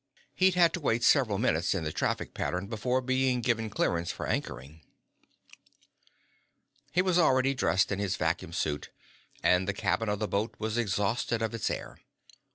He'd had to wait several minutes in the traffic pattern before being given clearance for anchoring. He was already dressed in his vacuum suit, and the cabin of the boat was exhausted of its air.